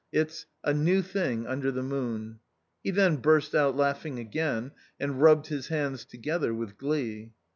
It's 'A New Thing under the Moon.' " He then burst out laughing again, and rubbed his hands together with glee.